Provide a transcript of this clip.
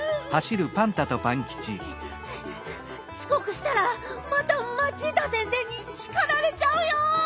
ちこくしたらまたマチータ先生にしかられちゃうよ！